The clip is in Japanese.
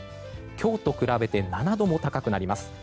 今日と比べて７度も高くなります。